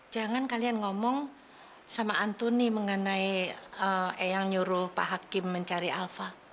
jangan kalian ngomong sama antuni mengenai eyang nyuruh pak hakim mencari alfa